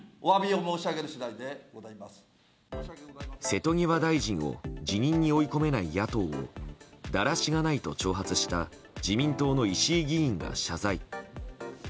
瀬戸際大臣を辞任に追い込めない野党をだらしがないと挑発した自民党の石井議員が謝罪。